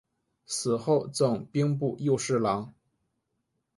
死后赠兵部右侍郎。